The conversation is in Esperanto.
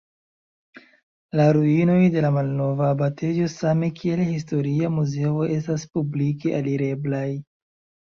La ruinoj de la malnova abatejo same kiel historia muzeo estas publike alireblaj.